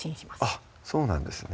あっそうなんですね